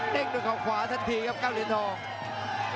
ด้วยเขาขวาทันทีครับเก้าเหรียญทอง